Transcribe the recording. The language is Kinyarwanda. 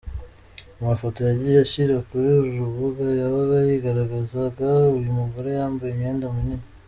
Mu mafoto yagiye ashyira kuri uru rubuga, yabaga yigaragazaga uyu mugore yambaye imyenda minini.